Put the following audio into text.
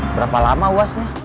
berapa lama uasnya